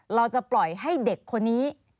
เราจะปล่อยให้เด็กคนนี้